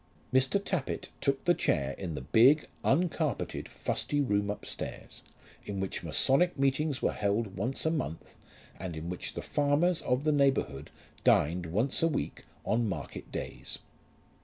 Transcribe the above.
Mr. Tappitt took the chair in the big, uncarpeted, fusty room upstairs, in which masonic meetings were held once a month, and in which the farmers of the neighbourhood dined once a week, on market days.